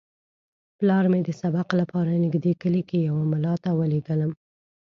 پلار مې د سبق لپاره نږدې کلي کې یوه ملا ته ولېږلم.